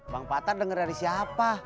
bang fathar denger dari siapa